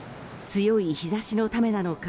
強い日差しのためなのか